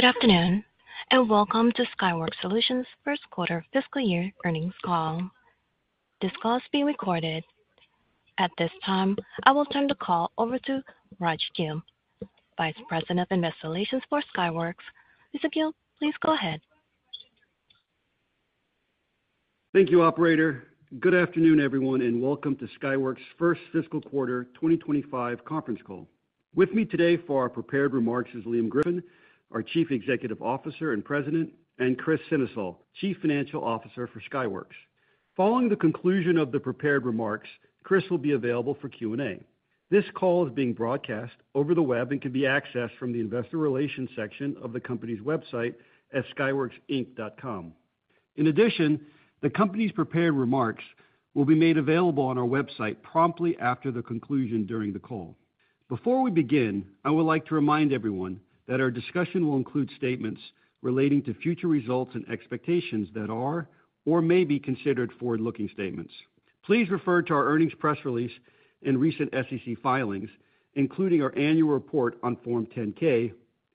Good afternoon and welcome to Skyworks Solutions' first quarter fiscal year earnings call. This call is being recorded. At this time, I will turn the call over to Raj Gill, Vice President of Investor Relations for Skyworks. Mr. Gill, please go ahead. Thank you, Operator. Good afternoon, everyone, and welcome to Skyworks' first fiscal quarter 2025 conference call. With me today for our prepared remarks is Liam Griffin, our Chief Executive Officer and President, and Kris Sennesael, Chief Financial Officer for Skyworks. Following the conclusion of the prepared remarks, Kris will be available for Q&A. This call is being broadcast over the web and can be accessed from the Investor Relations section of the company's website at skyworksinc.com. In addition, the company's prepared remarks will be made available on our website promptly after the conclusion during the call. Before we begin, I would like to remind everyone that our discussion will include statements relating to future results and expectations that are or may be considered forward-looking statements. Please refer to our earnings press release and recent SEC filings, including our annual report on Form 10-K,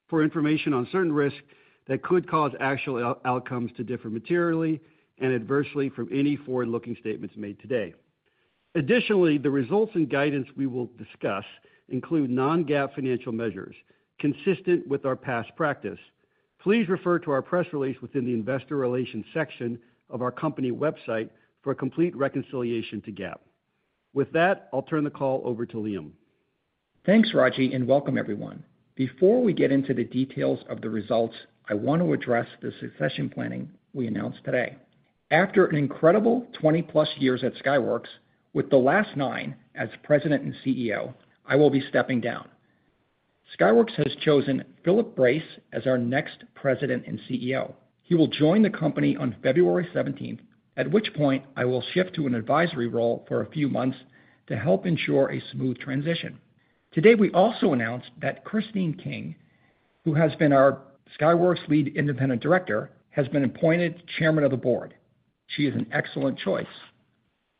for information on certain risks that could cause actual outcomes to differ materially and adversely from any forward-looking statements made today. Additionally, the results and guidance we will discuss include non-GAAP financial measures consistent with our past practice. Please refer to our press release within the Investor Relations section of our company website for a complete reconciliation to GAAP. With that, I'll turn the call over to Liam. Thanks, Raji, and welcome, everyone. Before we get into the details of the results, I want to address the succession planning we announced today. After an incredible 20-plus years at Skyworks, with the last nine as President and CEO, I will be stepping down. Skyworks has chosen Philip Brace as our next President and CEO. He will join the company on February 17th, at which point I will shift to an advisory role for a few months to help ensure a smooth transition. Today, we also announced that Christine King, who has been our Skyworks lead independent director, has been appointed Chairman of the Board. She is an excellent choice.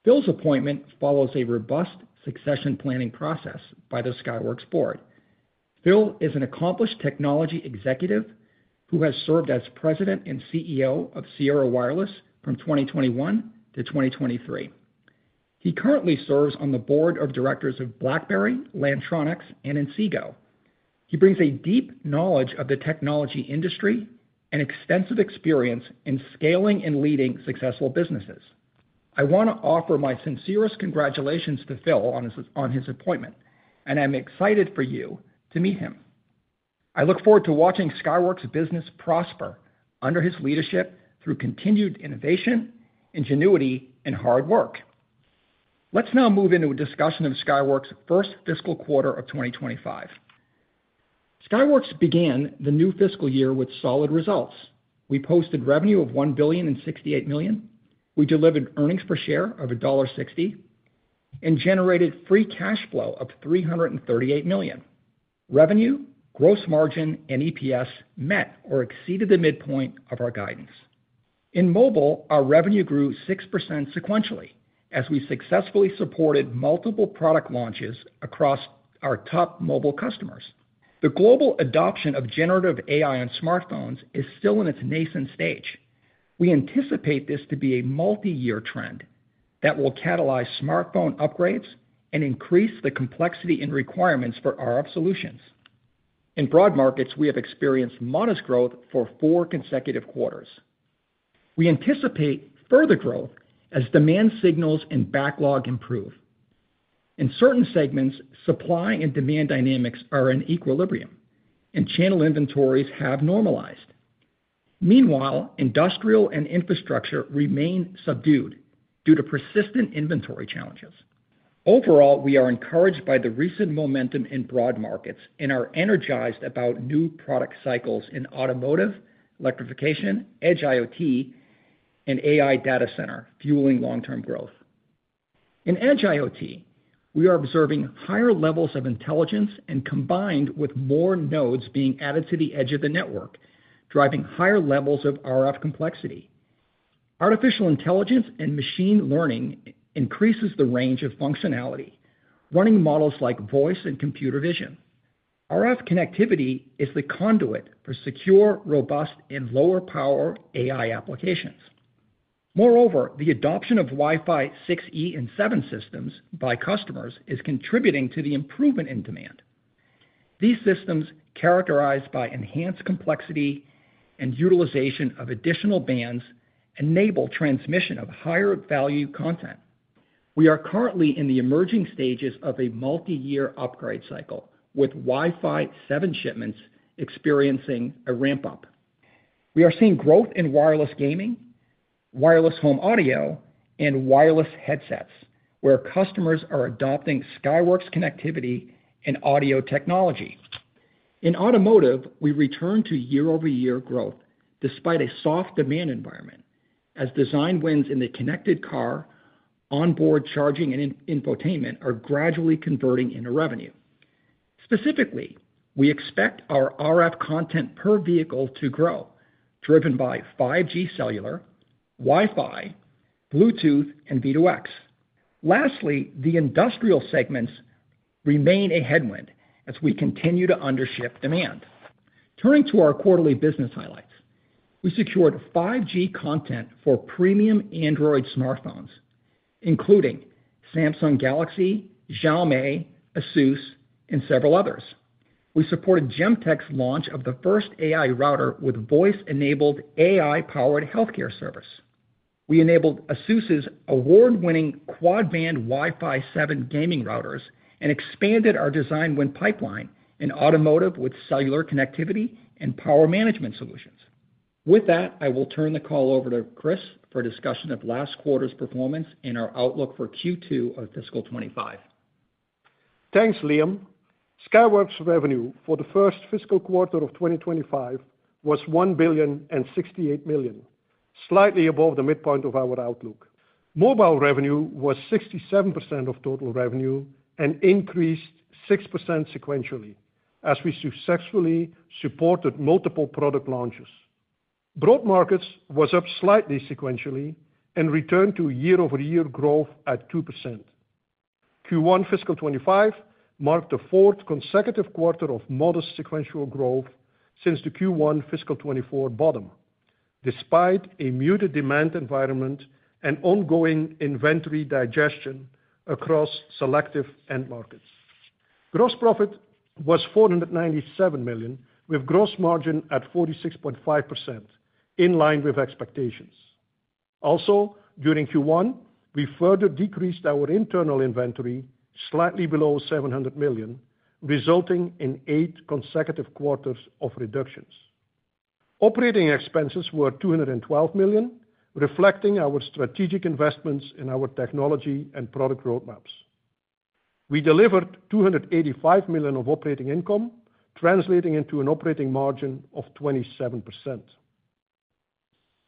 Phil's appointment follows a robust succession planning process by the Skyworks Board. Phil is an accomplished technology executive who has served as President and CEO of Sierra Wireless from 2021 to 2023. He currently serves on the board of directors of BlackBerry, Lantronix, and Inseego. He brings a deep knowledge of the technology industry and extensive experience in scaling and leading successful businesses. I want to offer my sincerest congratulations to Phil on his appointment, and I'm excited for you to meet him. I look forward to watching Skyworks' business prosper under his leadership through continued innovation, ingenuity, and hard work. Let's now move into a discussion of Skyworks' first fiscal quarter of 2025. Skyworks began the new fiscal year with solid results. We posted revenue of $1,068 million. We delivered earnings per share of $1.60 and generated free cash flow of $338 million. Revenue, gross margin, and EPS met or exceeded the midpoint of our guidance. In mobile, our revenue grew 6% sequentially as we successfully supported multiple product launches across our top mobile customers. The global adoption of generative AI on smartphones is still in its nascent stage. We anticipate this to be a multi-year trend that will catalyze smartphone upgrades and increase the complexity and requirements for our solutions. In broad markets, we have experienced modest growth for four consecutive quarters. We anticipate further growth as demand signals and backlog improve. In certain segments, supply and demand dynamics are in equilibrium, and channel inventories have normalized. Meanwhile, industrial and infrastructure remain subdued due to persistent inventory challenges. Overall, we are encouraged by the recent momentum in broad markets and are energized about new product cycles in automotive, electrification, edge IoT, and AI data center, fueling long-term growth. In edge IoT, we are observing higher levels of intelligence and combined with more nodes being added to the edge of the network, driving higher levels of RF complexity. Artificial intelligence and machine learning increase the range of functionality, running models like voice and computer vision. RF connectivity is the conduit for secure, robust, and lower-power AI applications. Moreover, the adoption of Wi-Fi 6E and 7 systems by customers is contributing to the improvement in demand. These systems, characterized by enhanced complexity and utilization of additional bands, enable transmission of higher-value content. We are currently in the emerging stages of a multi-year upgrade cycle, with Wi-Fi 7 shipments experiencing a ramp-up. We are seeing growth in wireless gaming, wireless home audio, and wireless headsets, where customers are adopting Skyworks connectivity and audio technology. In automotive, we return to year-over-year growth despite a soft demand environment, as design wins in the connected car, onboard charging, and infotainment are gradually converting into revenue. Specifically, we expect our RF content per vehicle to grow, driven by 5G cellular, Wi-Fi, Bluetooth, and V2X. Lastly, the industrial segments remain a headwind as we continue to undership demand. Turning to our quarterly business highlights, we secured 5G content for premium Android smartphones, including Samsung Galaxy, Xiaomi, ASUS, and several others. We supported Gemtek's launch of the first AI router with voice-enabled AI-powered healthcare service. We enabled ASUS's award-winning quad-band Wi-Fi 7 gaming routers and expanded our design win pipeline in automotive with cellular connectivity and power management solutions. With that, I will turn the call over to Kris for a discussion of last quarter's performance and our outlook for Q2 of fiscal 2025. Thanks, Liam. Skyworks revenue for the first fiscal quarter of 2025 was $1,068 million, slightly above the midpoint of our outlook. Mobile revenue was 67% of total revenue and increased 6% sequentially as we successfully supported multiple product launches. Broad markets were up slightly sequentially and returned to year-over-year growth at 2%. Q1 fiscal 2025 marked the fourth consecutive quarter of modest sequential growth since the Q1 fiscal 2024 bottom, despite a muted demand environment and ongoing inventory digestion across selective end markets. Gross profit was $497 million, with gross margin at 46.5%, in line with expectations. Also, during Q1, we further decreased our internal inventory slightly below $700 million, resulting in eight consecutive quarters of reductions. Operating expenses were $212 million, reflecting our strategic investments in our technology and product roadmaps. We delivered $285 million of operating income, translating into an operating margin of 27%.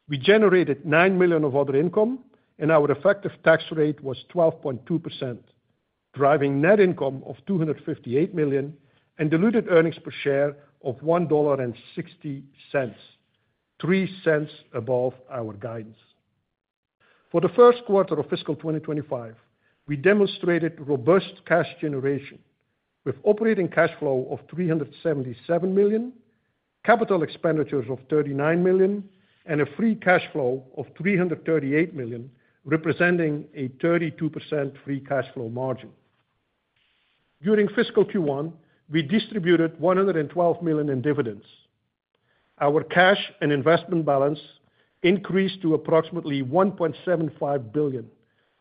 We generated $9 million of other income, and our effective tax rate was 12.2%, driving net income of $258 million and diluted earnings per share of $1.60, three cents above our guidance. For the first quarter of fiscal 2025, we demonstrated robust cash generation with operating cash flow of $377 million, capital expenditures of $39 million, and a free cash flow of $338 million, representing a 32% free cash flow margin. During fiscal Q1, we distributed $112 million in dividends. Our cash and investment balance increased to approximately $1.75 billion,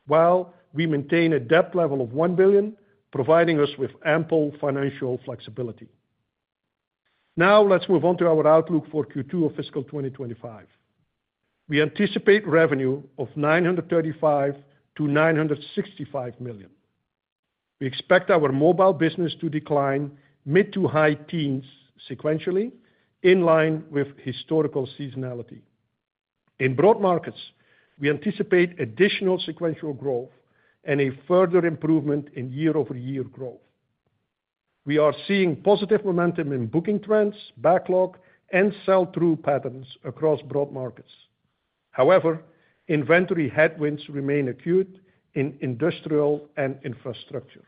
while we maintained a debt level of $1 billion, providing us with ample financial flexibility. Now, let's move on to our outlook for Q2 of fiscal 2025. We anticipate revenue of $935-$965 million. We expect our mobile business to decline mid to high teens sequentially, in line with historical seasonality. In broad markets, we anticipate additional sequential growth and a further improvement in year-over-year growth. We are seeing positive momentum in booking trends, backlog, and sell-through patterns across broad markets. However, inventory headwinds remain acute in industrial and infrastructure.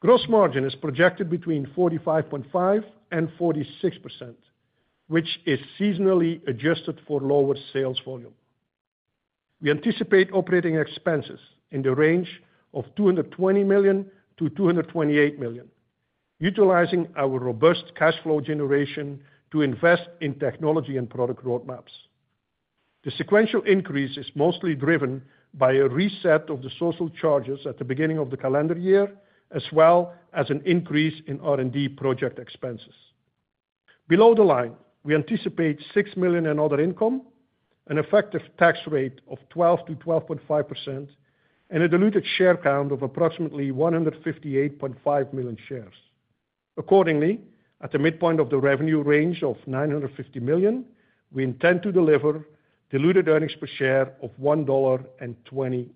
Gross margin is projected between 45.5% and 46%, which is seasonally adjusted for lower sales volume. We anticipate operating expenses in the range of $220-$228 million, utilizing our robust cash flow generation to invest in technology and product roadmaps. The sequential increase is mostly driven by a reset of the social charges at the beginning of the calendar year, as well as an increase in R&D project expenses. Below the line, we anticipate $6 million in other income, an effective tax rate of 12%-12.5%, and a diluted share count of approximately 158.5 million shares. Accordingly, at the midpoint of the revenue range of $950 million, we intend to deliver diluted earnings per share of $1.20.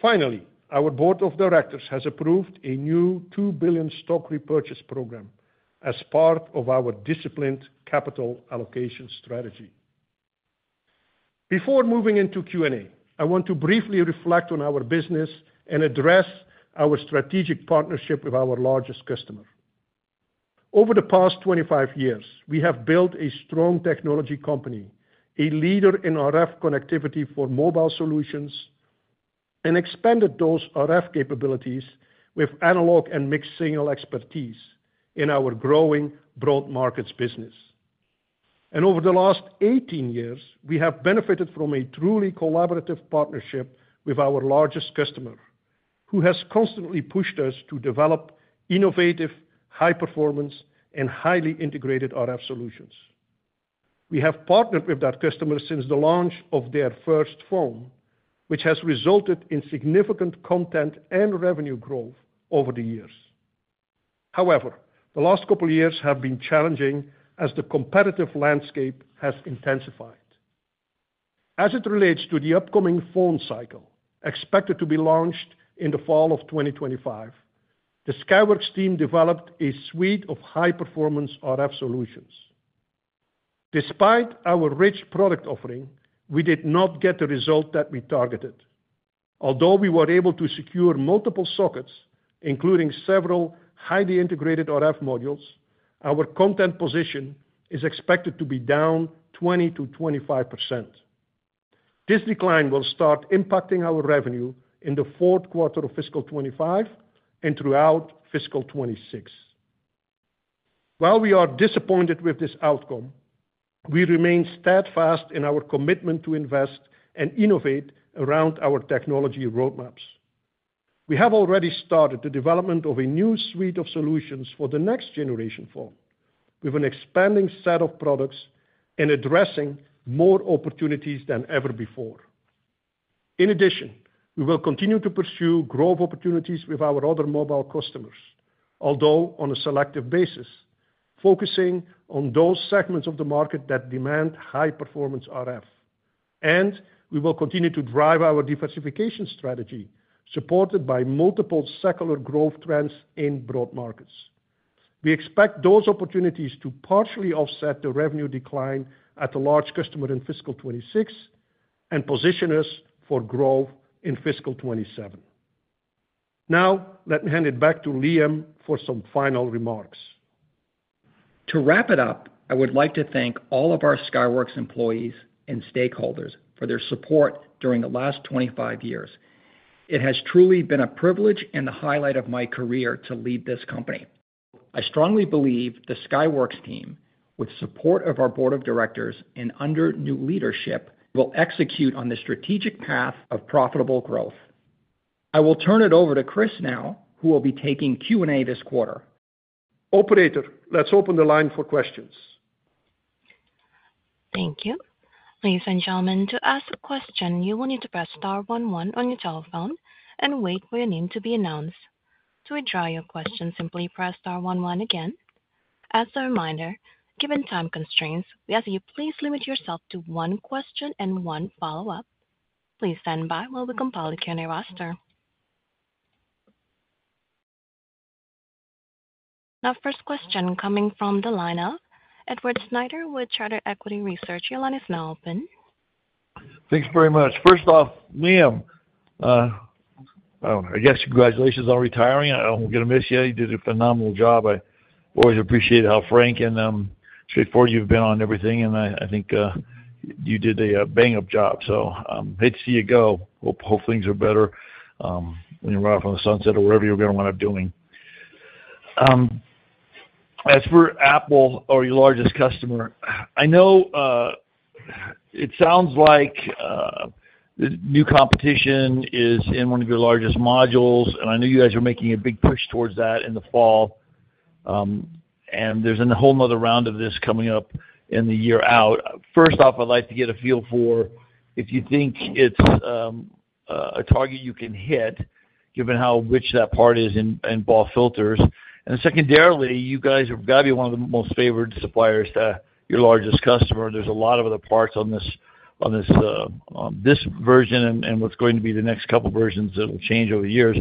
Finally, our Board of Directors has approved a new $2 billion stock repurchase program as part of our disciplined capital allocation strategy. Before moving into Q&A, I want to briefly reflect on our business and address our strategic partnership with our largest customer. Over the past 25 years, we have built a strong technology company, a leader in RF connectivity for mobile solutions, and expanded those RF capabilities with analog and mixed signal expertise in our growing broad markets business. And over the last 18 years, we have benefited from a truly collaborative partnership with our largest customer, who has constantly pushed us to develop innovative, high-performance, and highly integrated RF solutions. We have partnered with that customer since the launch of their first phone, which has resulted in significant content and revenue growth over the years. However, the last couple of years have been challenging as the competitive landscape has intensified. As it relates to the upcoming phone cycle, expected to be launched in the fall of 2025, the Skyworks team developed a suite of high-performance RF solutions. Despite our rich product offering, we did not get the result that we targeted. Although we were able to secure multiple sockets, including several highly integrated RF modules, our content position is expected to be down 20%-25%. This decline will start impacting our revenue in the fourth quarter of fiscal 2025 and throughout fiscal 2026. While we are disappointed with this outcome, we remain steadfast in our commitment to invest and innovate around our technology roadmaps. We have already started the development of a new suite of solutions for the next generation phone, with an expanding set of products and addressing more opportunities than ever before. In addition, we will continue to pursue growth opportunities with our other mobile customers, although on a selective basis, focusing on those segments of the market that demand high-performance RF. And we will continue to drive our diversification strategy, supported by multiple secular growth trends in broad markets. We expect those opportunities to partially offset the revenue decline at a large customer in fiscal 2026 and position us for growth in fiscal 2027. Now, let me hand it back to Liam for some final remarks. To wrap it up, I would like to thank all of our Skyworks employees and stakeholders for their support during the last 25 years. It has truly been a privilege and the highlight of my career to lead this company. I strongly believe the Skyworks team, with support of our Board of Directors and under new leadership, will execute on the strategic path of profitable growth. I will turn it over to Kris now, who will be taking Q&A this quarter. Operator, let's open the line for questions. Thank you. Ladies and gentlemen, to ask a question, you will need to press star 11 on your telephone and wait for your name to be announced. To withdraw your question, simply press star 11 again. As a reminder, given time constraints, we ask that you please limit yourself to one question and one follow-up. Please stand by while we compile the Q&A roster. Now, first question coming from the lineup, Edward Snyder with Charter Equity Research. Your line is now open. Thanks very much. First off, Liam, I guess congratulations on retiring. I don't get to miss you. You did a phenomenal job. I always appreciate how frank and straightforward you've been on everything, and I think you did a bang-up job, so I hate to see you go. Hope things are better when you're ride off into the sunset or wherever you're going to wind up doing. As for Apple, our largest customer, I know it sounds like the new competition is in one of your largest modules, and I know you guys are making a big push towards that in the fall, and there's a whole nother round of this coming up in the year out. First off, I'd like to get a feel for if you think it's a target you can hit, given how rich that part is in BAW filters. Secondarily, you guys have got to be one of the most favored suppliers to your largest customer. There's a lot of other parts on this version and what's going to be the next couple of versions that will change over the years.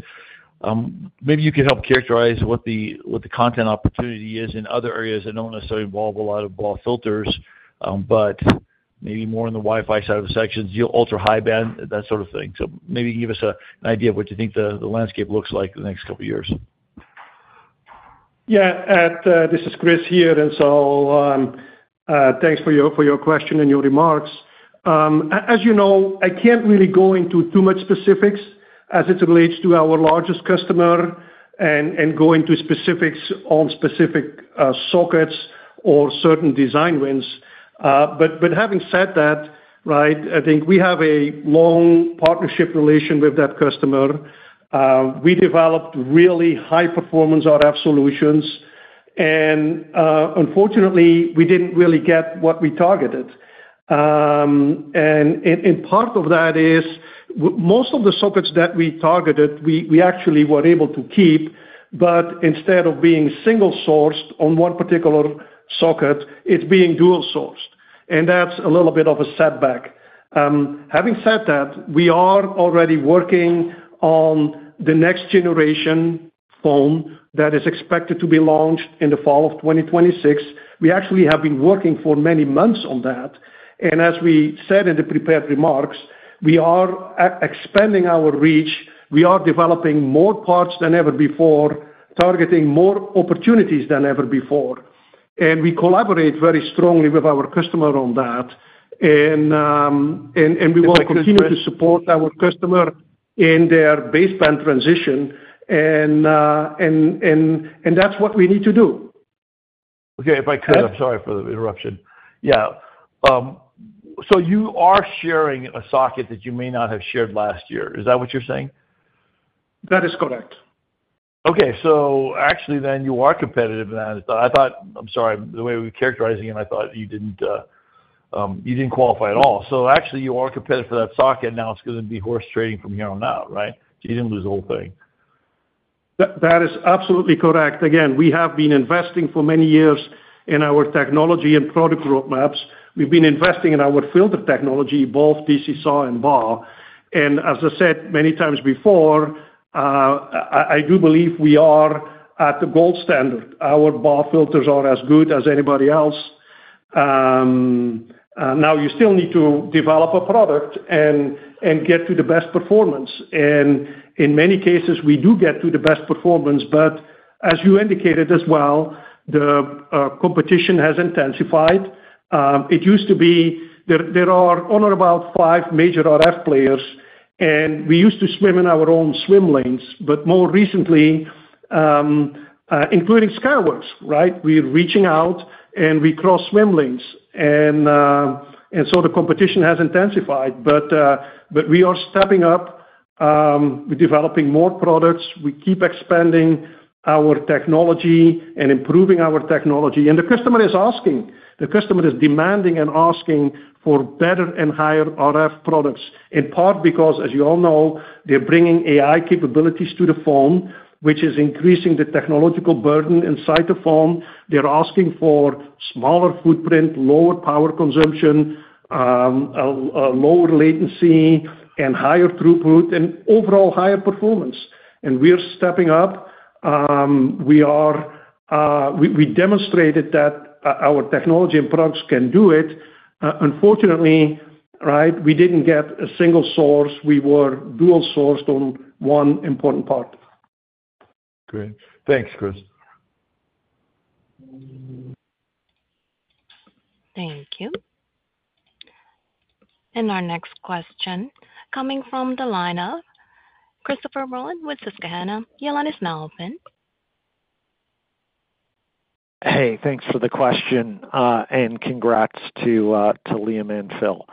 Maybe you could help characterize what the content opportunity is in other areas that don't necessarily involve a lot of BAW filters, but maybe more in the Wi-Fi side of the ecosystem, your ultra-high-band, that sort of thing. So maybe give us an idea of what you think the landscape looks like in the next couple of years. Yeah, this is Kris here. And so thanks for your question and your remarks. As you know, I can't really go into too much specifics as it relates to our largest customer and go into specifics on specific sockets or certain design wins. But having said that, I think we have a long partnership relation with that customer. We developed really high-performance RF solutions. And unfortunately, we didn't really get what we targeted. And part of that is most of the sockets that we targeted, we actually were able to keep, but instead of being single-sourced on one particular socket, it's being dual-sourced. And that's a little bit of a setback. Having said that, we are already working on the next generation phone that is expected to be launched in the fall of 2026. We actually have been working for many months on that. As we said in the prepared remarks, we are expanding our reach. We are developing more parts than ever before, targeting more opportunities than ever before. We collaborate very strongly with our customer on that. We will continue to support our customer in their baseline transition. That's what we need to do. Okay. If I could, I'm sorry for the interruption. Yeah. So you are sharing a socket that you may not have shared last year. Is that what you're saying? That is correct. Okay. So actually, then you are competitive in that. I thought, I'm sorry, the way we were characterizing it, I thought you didn't qualify at all. So actually, you are competitive for that socket. Now it's going to be horse trading from here on out, right? So you didn't lose the whole thing. That is absolutely correct. Again, we have been investing for many years in our technology and product roadmaps. We've been investing in our filter technology, both TC-SAW and BAW. And as I said many times before, I do believe we are at the gold standard. Our BAW filters are as good as anybody else. Now, you still need to develop a product and get to the best performance. And in many cases, we do get to the best performance, but as you indicated as well, the competition has intensified. It used to be there are only about five major RF players. And we used to swim in our own swim lanes, but more recently, including Skyworks, we're reaching out and we cross swim lanes. And so the competition has intensified, but we are stepping up. We're developing more products. We keep expanding our technology and improving our technology. And the customer is asking. The customer is demanding and asking for better and higher RF products. In part because, as you all know, they're bringing AI capabilities to the phone, which is increasing the technological burden inside the phone. They're asking for smaller footprint, lower power consumption, lower latency, and higher throughput, and overall higher performance. And we're stepping up. We demonstrated that our technology and products can do it. Unfortunately, we didn't get a single source. We were dual-sourced on one important part. Great. Thanks, Kris. Thank you. And our next question coming from the lineup, Christopher Rolland with Susquehanna. Your line is now open. Hey, thanks for the question. And congrats to Liam and Phil.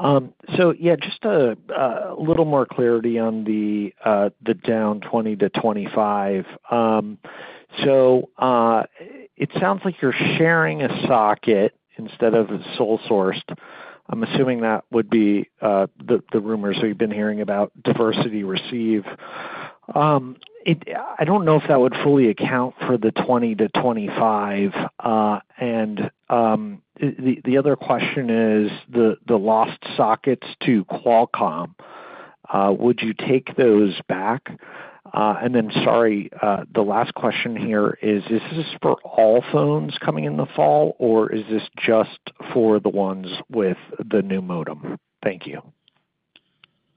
So yeah, just a little more clarity on the down 20%-25%. So it sounds like you're sharing a socket instead of a sole-sourced. I'm assuming that would be the rumors that we've been hearing about diversity receive. I don't know if that would fully account for the 20%-25%. And the other question is the lost sockets to Qualcomm. Would you take those back? And then sorry, the last question here is, is this for all phones coming in the fall, or is this just for the ones with the new modem? Thank you.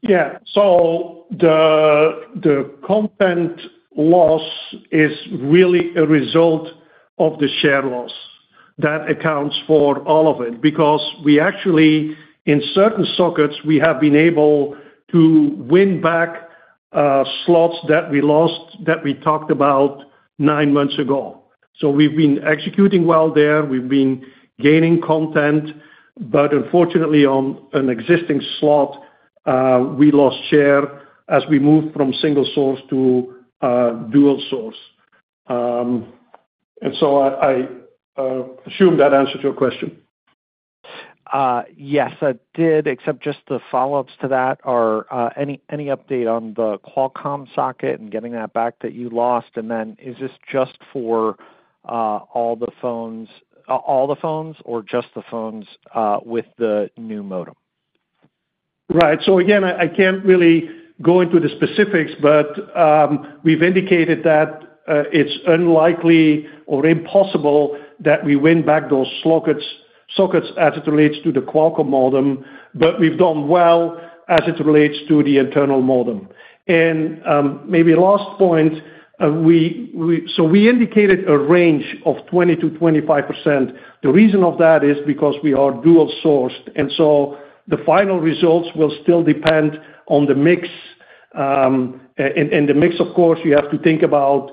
Yeah. So the content loss is really a result of the share loss. That accounts for all of it because we actually, in certain sockets, we have been able to win back slots that we lost that we talked about nine months ago. So we've been executing well there. We've been gaining content. But unfortunately, on an existing slot, we lost share as we moved from single-source to dual-source. And so I assume that answered your question. Yes, it did, except just the follow-ups to that. Any update on the Qualcomm socket and getting that back that you lost? And then is this just for all the phones or just the phones with the new modem? Right. So again, I can't really go into the specifics, but we've indicated that it's unlikely or impossible that we win back those sockets as it relates to the Qualcomm modem. But we've done well as it relates to the internal modem. And maybe last point, so we indicated a range of 20%-25%. The reason for that is because we are dual-sourced. And so the final results will still depend on the mix. And the mix, of course, you have to think about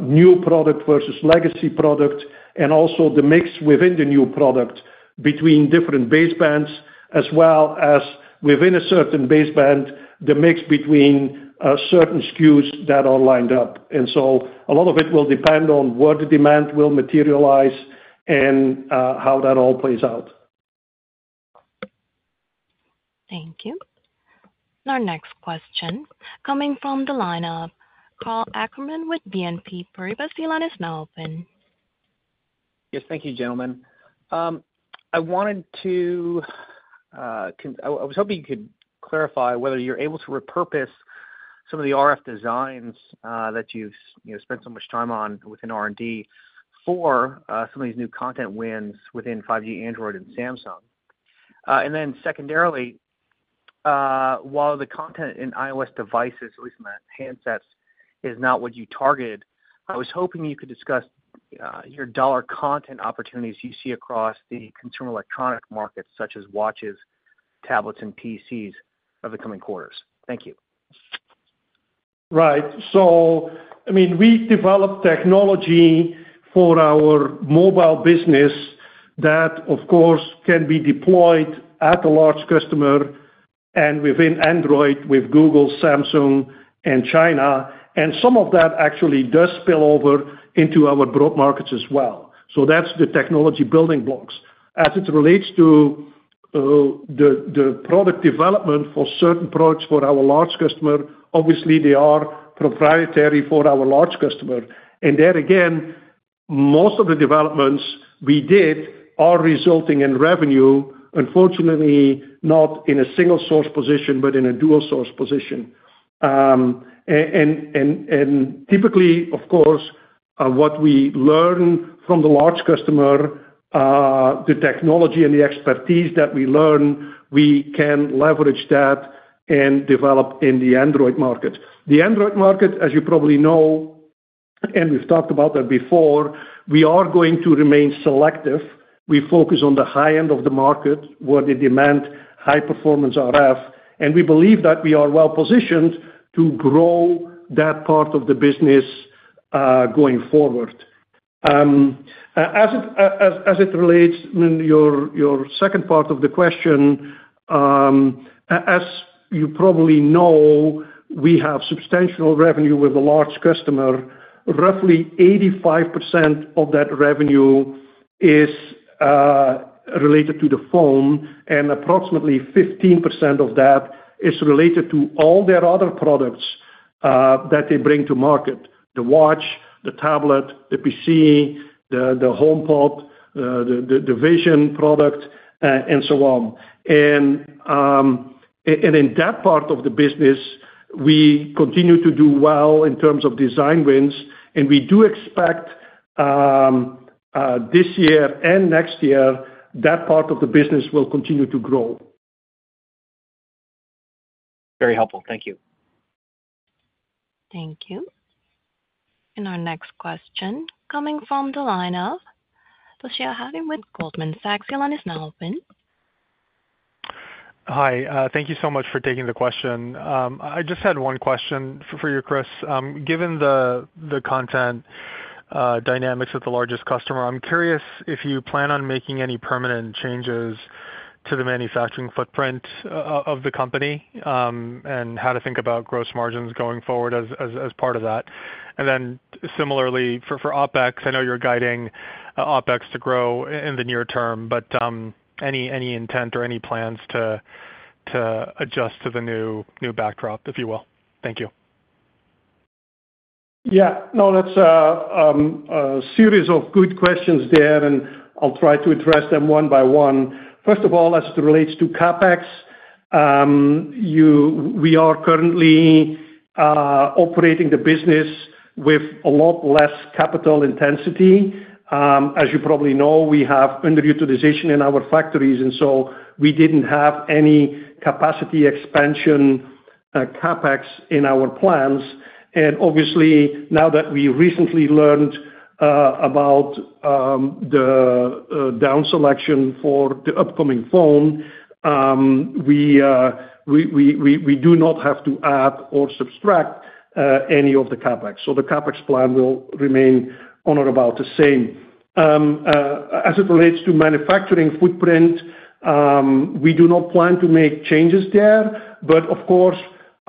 new product versus legacy product and also the mix within the new product between different basebands as well as within a certain baseband, the mix between certain SKUs that are lined up. And so a lot of it will depend on where the demand will materialize and how that all plays out. Thank you. And our next question coming from the lineup, Karl Ackerman with BNP Paribas, line is now open. Yes, thank you, gentlemen. I was hoping you could clarify whether you're able to repurpose some of the RF designs that you've spent so much time on within R&D for some of these new content wins within 5G Android and Samsung. And then secondarily, while the content in iOS devices, at least in the handsets, is not what you targeted, I was hoping you could discuss your dollar content opportunities you see across the consumer electronic markets, such as watches, tablets, and PCs over the coming quarters. Thank you. Right. So I mean, we develop technology for our mobile business that, of course, can be deployed at a large customer and within Android with Google, Samsung, and China. And some of that actually does spill over into our broad markets as well. So that's the technology building blocks. As it relates to the product development for certain products for our large customer, obviously, they are proprietary for our large customer. And there again, most of the developments we did are resulting in revenue, unfortunately, not in a single-source position, but in a dual-source position. And typically, of course, what we learn from the large customer, the technology and the expertise that we learn, we can leverage that and develop in the Android market. The Android market, as you probably know, and we've talked about that before, we are going to remain selective. We focus on the high end of the market where they demand high-performance RF. We believe that we are well-positioned to grow that part of the business going forward. As it relates to your second part of the question, as you probably know, we have substantial revenue with a large customer. Roughly 85% of that revenue is related to the phone. Approximately 15% of that is related to all their other products that they bring to market: the watch, the tablet, the PC, the HomePod, the Vision product, and so on. In that part of the business, we continue to do well in terms of design wins. We do expect this year and next year that part of the business will continue to grow. Very helpful. Thank you. Thank you, and our next question coming from the line of the analyst with Goldman Sachs. Your line is now open. Hi. Thank you so much for taking the question. I just had one question for you, Kris. Given the content dynamics of the largest customer, I'm curious if you plan on making any permanent changes to the manufacturing footprint of the company and how to think about gross margins going forward as part of that. And then similarly, for OPEX, I know you're guiding OPEX to grow in the near term, but any intent or any plans to adjust to the new backdrop, if you will? Thank you. Yeah. No, that's a series of good questions there, and I'll try to address them one by one. First of all, as it relates to CapEx, we are currently operating the business with a lot less capital intensity. As you probably know, we have under-utilization in our factories. And so we didn't have any capacity expansion CapEx in our plans. And obviously, now that we recently learned about the down selection for the upcoming phone, we do not have to add or subtract any of the CapEx. So the CapEx plan will remain on or about the same. As it relates to manufacturing footprint, we do not plan to make changes there. But of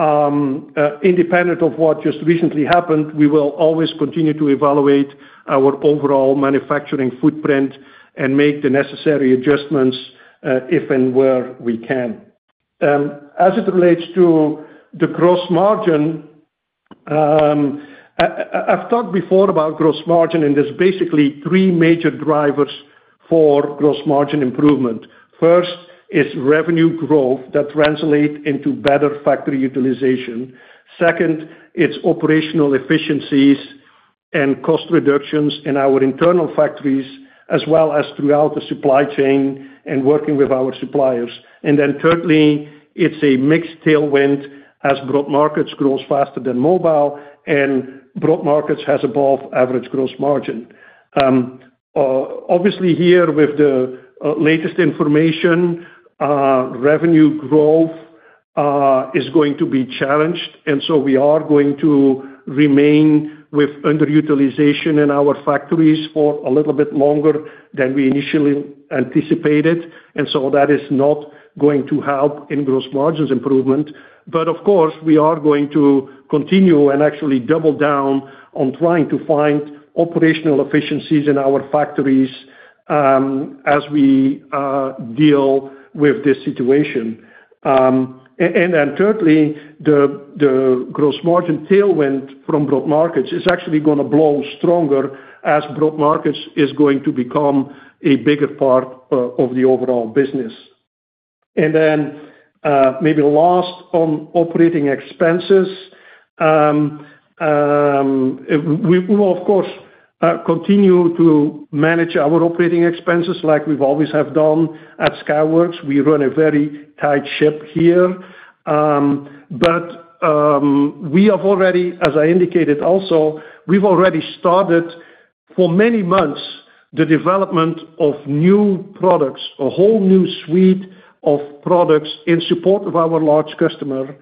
course, independent of what just recently happened, we will always continue to evaluate our overall manufacturing footprint and make the necessary adjustments if and where we can. As it relates to the gross margin, I've talked before about gross margin, and there's basically three major drivers for gross margin improvement. First is revenue growth that translates into better factory utilization. Second, it's operational efficiencies and cost reductions in our internal factories as well as throughout the supply chain and working with our suppliers. Then thirdly, it's a mixed tailwind as broad markets grows faster than mobile, and broad markets has above average gross margin. Obviously, here with the latest information, revenue growth is going to be challenged. We are going to remain with under-utilization in our factories for a little bit longer than we initially anticipated. That is not going to help in gross margins improvement. But of course, we are going to continue and actually double down on trying to find operational efficiencies in our factories as we deal with this situation. And then thirdly, the gross margin tailwind from broad markets is actually going to blow stronger as broad markets is going to become a bigger part of the overall business. And then maybe last on operating expenses, we will, of course, continue to manage our operating expenses like we've always have done at Skyworks. We run a very tight ship here. But we have already, as I indicated also, we've already started for many months the development of new products, a whole new suite of products in support of our large customer,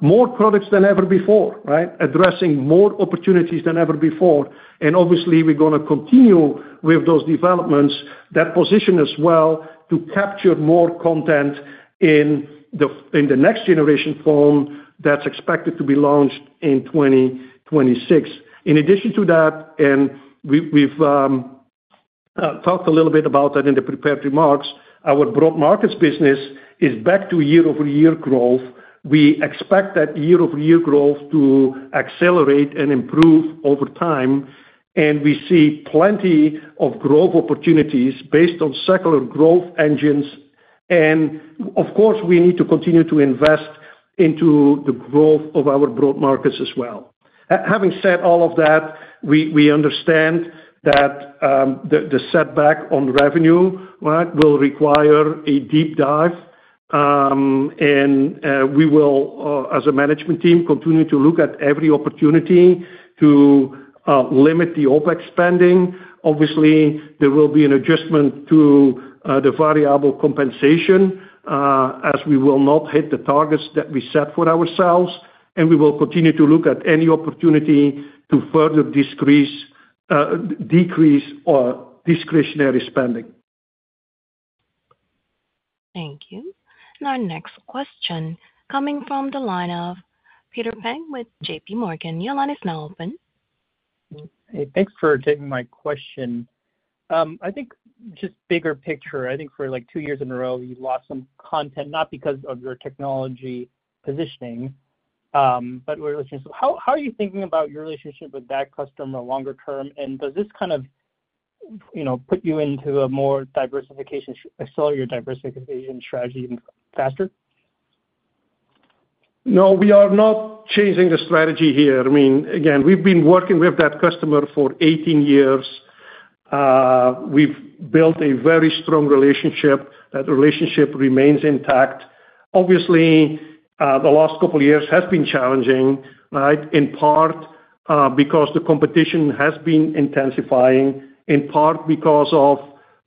more products than ever before, right? Addressing more opportunities than ever before. And obviously, we're going to continue with those developments that position us well to capture more content in the next generation phone that's expected to be launched in 2026. In addition to that, and we've talked a little bit about that in the prepared remarks, our broad markets business is back to year-over-year growth. We expect that year-over-year growth to accelerate and improve over time. And we see plenty of growth opportunities based on secular growth engines. And of course, we need to continue to invest into the growth of our broad markets as well. Having said all of that, we understand that the setback on revenue, right, will require a deep dive. And we will, as a management team, continue to look at every opportunity to limit the OpEx spending. Obviously, there will be an adjustment to the variable compensation as we will not hit the targets that we set for ourselves, and we will continue to look at any opportunity to further decrease our discretionary spending. Thank you. And our next question coming from the line of Peter Peng with J.P. Morgan, your line is now open. Hey, thanks for taking my question. I think just bigger picture, I think for like two years in a row, you lost some content, not because of your technology positioning, but relationship. How are you thinking about your relationship with that customer longer term? And does this kind of put you into a more diversification, accelerate your diversification strategy faster? No, we are not changing the strategy here. I mean, again, we've been working with that customer for 18 years. We've built a very strong relationship. That relationship remains intact. Obviously, the last couple of years has been challenging, right? In part because the competition has been intensifying, in part because of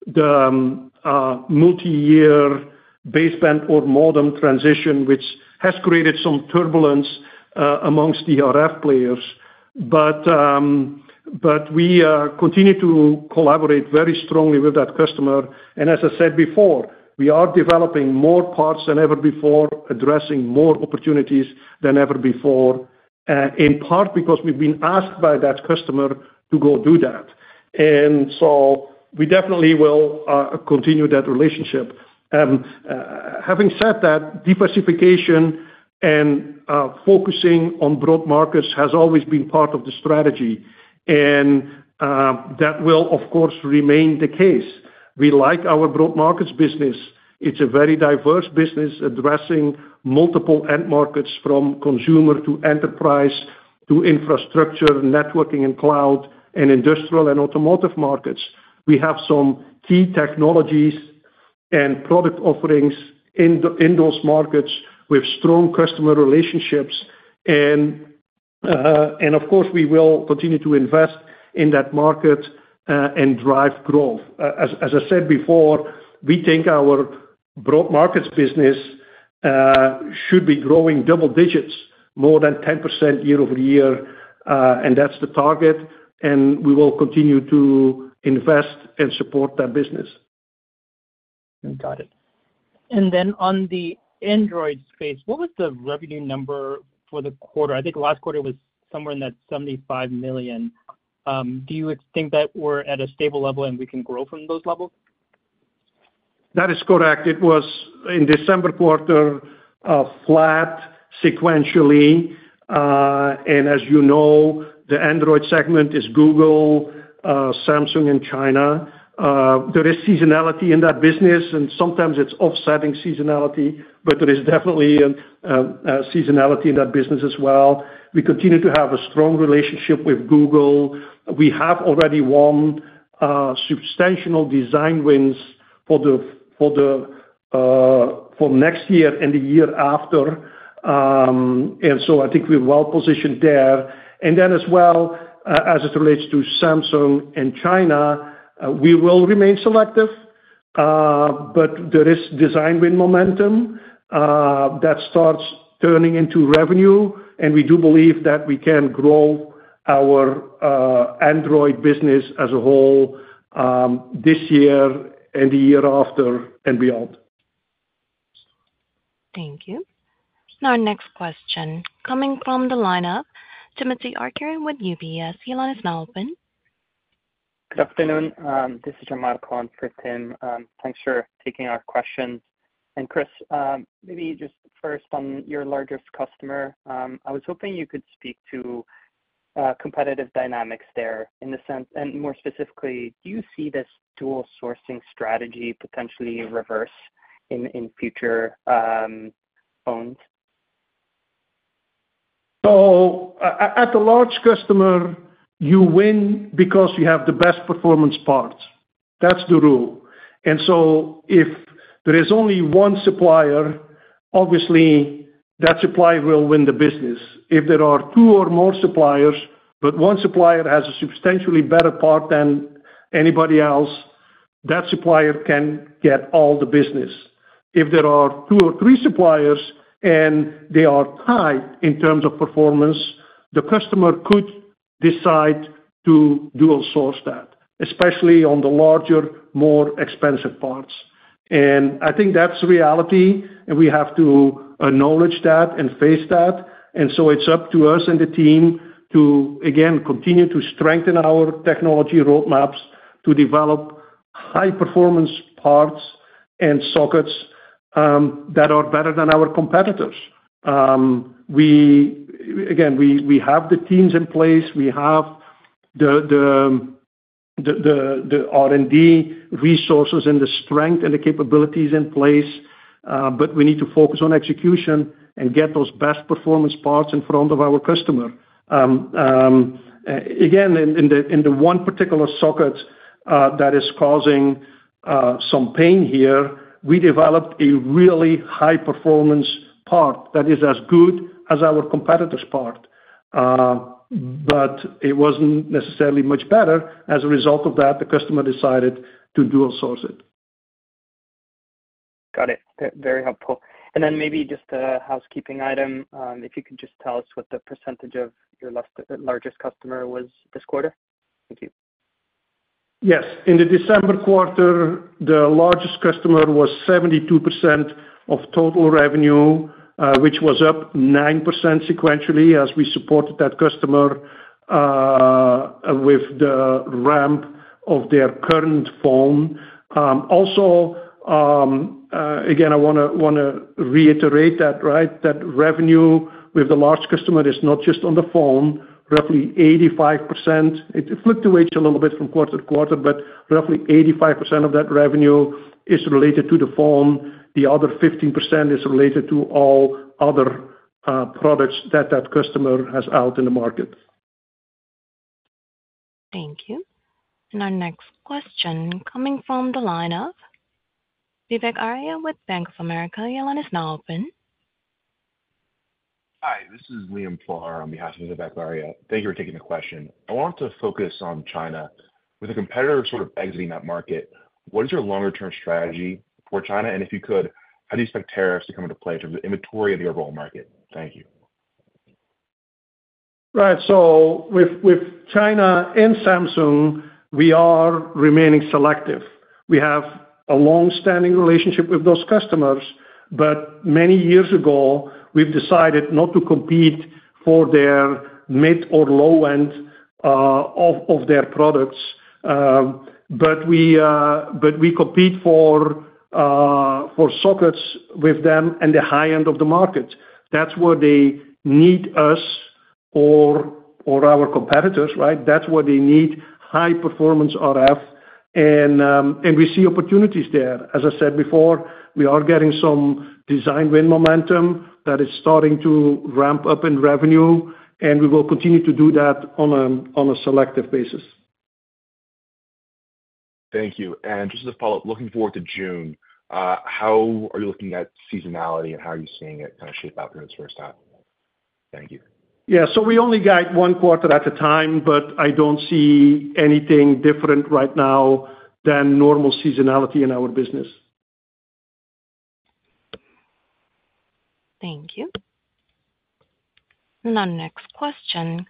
the multi-year baseband or modem transition, which has created some turbulence among the RF players. But we continue to collaborate very strongly with that customer. And as I said before, we are developing more parts than ever before, addressing more opportunities than ever before, in part because we've been asked by that customer to go do that. And so we definitely will continue that relationship. Having said that, diversification and focusing on broad markets has always been part of the strategy. And that will, of course, remain the case. We like our broad markets business. It's a very diverse business addressing multiple end markets from consumer to enterprise to infrastructure, networking and cloud, and industrial and automotive markets. We have some key technologies and product offerings in those markets with strong customer relationships. And of course, we will continue to invest in that market and drive growth. As I said before, we think our broad markets business should be growing double digits, more than 10% year-over-year. And that's the target. And we will continue to invest and support that business. Got it. And then on the Android space, what was the revenue number for the quarter? I think last quarter was somewhere in that $75 million. Do you think that we're at a stable level and we can grow from those levels? That is correct. It was in December quarter flat sequentially. And as you know, the Android segment is Google, Samsung, and China. There is seasonality in that business, and sometimes it's offsetting seasonality, but there is definitely seasonality in that business as well. We continue to have a strong relationship with Google. We have already won substantial design wins for next year and the year after. And so I think we're well-positioned there. And then as well, as it relates to Samsung and China, we will remain selective. But there is design win momentum that starts turning into revenue. And we do believe that we can grow our Android business as a whole this year and the year after and beyond. Thank you. Now our next question coming from the lineup, Timothy Arcuri with UBS. Your line is now open. Good afternoon. This is Gianmarco on the line. Thanks for taking our questions, and Kris, maybe just first on your largest customer, I was hoping you could speak to competitive dynamics there in the sense, and more specifically, do you see this dual sourcing strategy potentially reverse in future phones? So at the large customer, you win because you have the best performance parts. That's the rule. And so if there is only one supplier, obviously that supplier will win the business. If there are two or more suppliers, but one supplier has a substantially better part than anybody else, that supplier can get all the business. If there are two or three suppliers and they are tied in terms of performance, the customer could decide to dual source that, especially on the larger, more expensive parts. And I think that's reality. And we have to acknowledge that and face that. And so it's up to us and the team to, again, continue to strengthen our technology roadmaps to develop high-performance parts and sockets that are better than our competitors. Again, we have the teams in place. We have the R&D resources and the strength and the capabilities in place. But we need to focus on execution and get those best performance parts in front of our customer. Again, in the one particular socket that is causing some pain here, we developed a really high-performance part that is as good as our competitor's part. But it wasn't necessarily much better. As a result of that, the customer decided to dual source it. Got it. Very helpful. And then maybe just a housekeeping item. If you could just tell us what the percentage of your largest customer was this quarter? Thank you. Yes. In the December quarter, the largest customer was 72% of total revenue, which was up 9% sequentially as we supported that customer with the ramp of their current phone. Also, again, I want to reiterate that, right? That revenue with the large customer is not just on the phone. Roughly 85%. It fluctuates a little bit from quarter to quarter, but roughly 85% of that revenue is related to the phone. The other 15% is related to all other products that that customer has out in the market. Thank you. And our next question coming from the line of Vivek Arya with Bank of America, your line is now open. Hi, this is Liam Pharr on behalf of Vivek Arya. Thank you for taking the question. I want to focus on China. With a competitor sort of exiting that market, what is your longer-term strategy for China? And if you could, how do you expect tariffs to come into play in terms of inventory and the overall market? Thank you. Right. So with China and Samsung, we are remaining selective. We have a long-standing relationship with those customers. But many years ago, we've decided not to compete for their mid or low-end of their products. But we compete for sockets with them and the high end of the market. That's where they need us or our competitors, right? That's where they need high-performance RF. And we see opportunities there. As I said before, we are getting some design win momentum that is starting to ramp up in revenue. And we will continue to do that on a selective basis. Thank you. And just as a follow-up, looking forward to June, how are you looking at seasonality and how are you seeing it kind of shape out for this first half? Thank you. Yeah, so we only got one quarter at a time, but I don't see anything different right now than normal seasonality in our business. Thank you. And our next question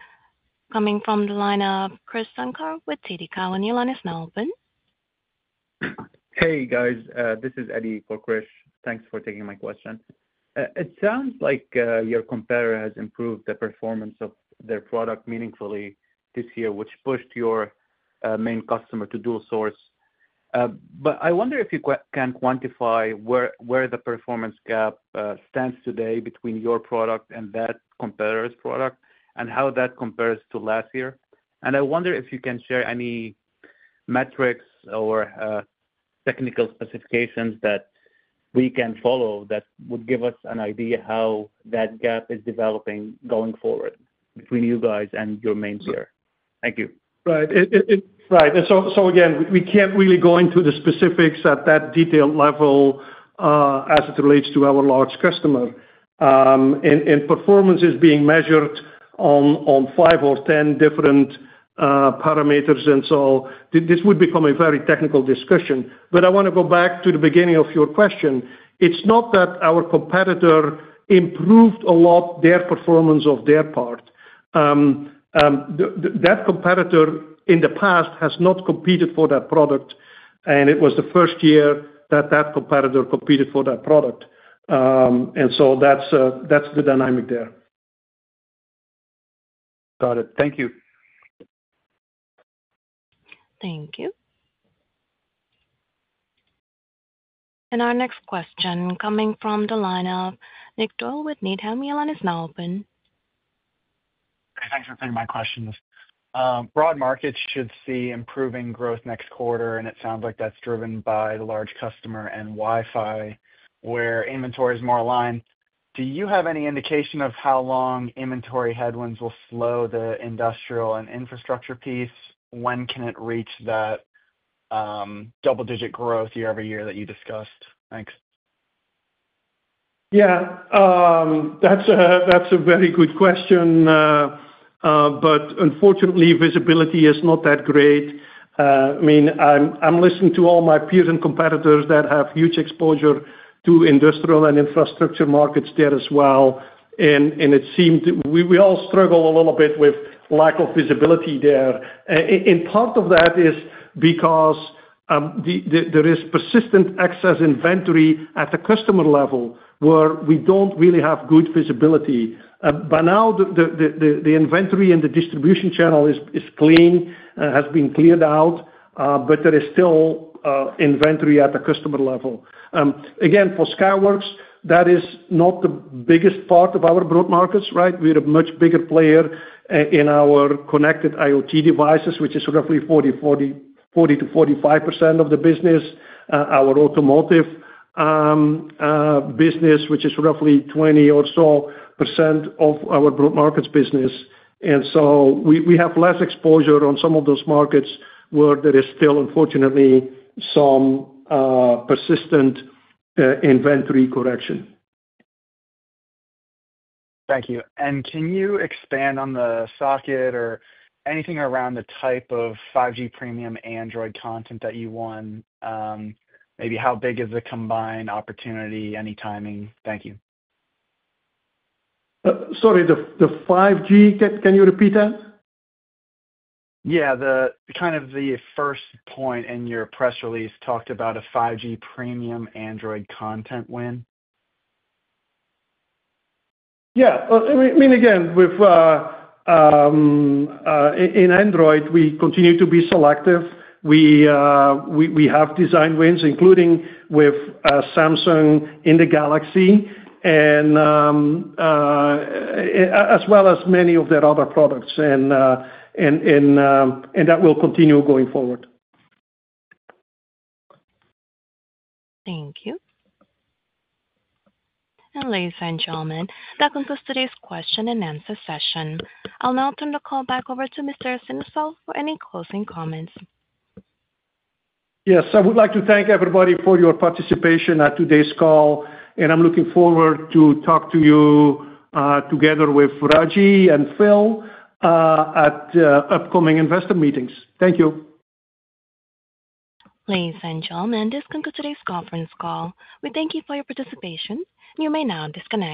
coming from the line of Krish Sankar with TD Cowen, your line is now open. Hey, guys. This is Edward Snyder. Thanks for taking my question. It sounds like your competitor has improved the performance of their product meaningfully this year, which pushed your main customer to dual source. But I wonder if you can quantify where the performance gap stands today between your product and that competitor's product and how that compares to last year. And I wonder if you can share any metrics or technical specifications that we can follow that would give us an idea how that gap is developing going forward between you guys and your main player. Thank you. Right. Right, so again, we can't really go into the specifics at that detailed level as it relates to our large customer, and performance is being measured on five or 10 different parameters, and so this would become a very technical discussion, but I want to go back to the beginning of your question. It's not that our competitor improved a lot their performance of their part. That competitor in the past has not competed for that product, and it was the first year that that competitor competed for that product, and so that's the dynamic there. Got it. Thank you. Thank you. And our next question coming from the line of Nick Doyle with Needham, your line is now open. Hey, thanks for taking my question. Broad markets should see improving growth next quarter, and it sounds like that's driven by the large customer and Wi-Fi where inventory is more aligned. Do you have any indication of how long inventory headwinds will slow the industrial and infrastructure piece? When can it reach that double-digit growth year-over-year that you discussed? Thanks. Yeah. That's a very good question, but unfortunately, visibility is not that great. I mean, I'm listening to all my peers and competitors that have huge exposure to industrial and infrastructure markets there as well, and it seemed we all struggle a little bit with lack of visibility there. And part of that is because there is persistent excess inventory at the customer level where we don't really have good visibility. By now, the inventory and the distribution channel is clean, has been cleared out, but there is still inventory at the customer level. Again, for Skyworks, that is not the biggest part of our broad markets, right? We're a much bigger player in our connected IoT devices, which is roughly 40%-45% of the business, our automotive business, which is roughly 20% or so of our broad markets business. And so we have less exposure on some of those markets where there is still, unfortunately, some persistent inventory correction. Thank you. And can you expand on the socket or anything around the type of 5G premium Android content that you won? Maybe how big is the combined opportunity, any timing? Thank you. Sorry, the 5G, can you repeat that? Yeah. Kind of the first point in your press release talked about a 5G premium Android content win. Yeah. I mean, again, in Android, we continue to be selective. We have design wins, including with Samsung in the Galaxy, as well as many of their other products, and that will continue going forward. Thank you. And ladies and gentlemen, that concludes today's question and answer session. I'll now turn the call back over to Mr. Sennesael for any closing comments. Yes. I would like to thank everybody for your participation at today's call, and I'm looking forward to talking to you together with Raji and Phil at upcoming investor meetings. Thank you. Ladies and gentlemen, this concludes today's conference call. We thank you for your participation. You may now disconnect.